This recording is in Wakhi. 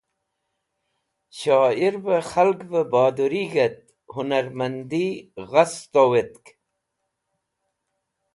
Shoyir vẽ khalgvẽ bodurig̃ht hũnarmandi gha sẽtowetk.